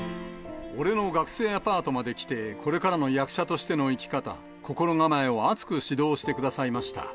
俺の学生アパートまで来て、これからの役者としての生き方、心構えを熱く指導してくださいました。